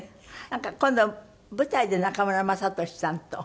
なんか今度舞台で中村雅俊さんと？